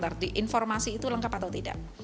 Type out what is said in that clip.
berarti informasi itu lengkap atau tidak